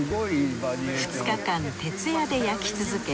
２日間徹夜で焼き続け